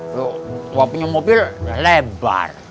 loh wak punya mobil lebar